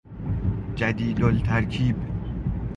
جدید الترکیب